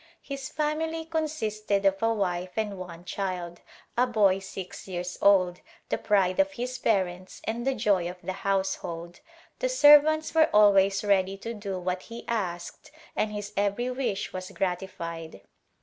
His family consisted of a wife and one child, a boy six years old, the pride of his parents and the joy of the household. The servants were always ready to do what he asked and his every wish was gratified.